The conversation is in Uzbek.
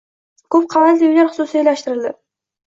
Koʻp qavatli uylar xususiylashtirildi.